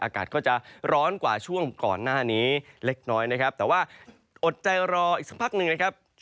อากาศก็จะร้อนกว่าช่วงก่อนหน้านี้เล็กน้อยนะครับแต่ว่าอดใจรออีกสักพักหนึ่งนะครับ